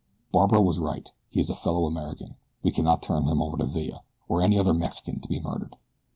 Barbara was right he is a fellow American. We cannot turn him over to Villa, or any other Mexican to be murdered."